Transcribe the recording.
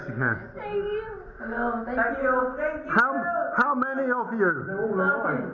สวัสดีครับ